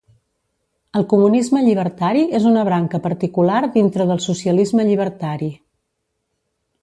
El comunisme llibertari és una branca particular dintre del socialisme llibertari.